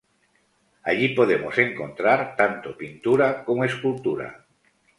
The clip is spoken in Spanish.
Allí podemos encontrar tanto pintura como escultura.